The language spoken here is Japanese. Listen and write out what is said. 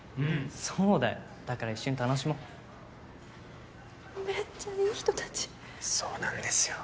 そうだよだから一緒に楽しもうめっちゃいい人たちそうなんですよ